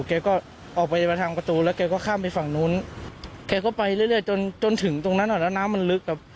แกก็ออกไปมาทางประตูแล้วแกก็ข้ามไปฝั่งนู้นแกก็ไปเรื่อยจนจนถึงตรงนั้นอ่ะแล้วน้ำมันลึกครับ